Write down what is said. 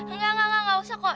enggak enggak enggak gak usah kok